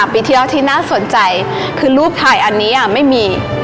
ปีที่แล้วที่น่าสนใจคือรูปถ่ายอันนี้ไม่มี